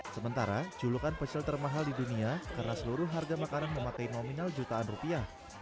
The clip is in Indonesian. sementara julukan pecel termahal di dunia karena seluruh harga makanan memakai nominal jutaan rupiah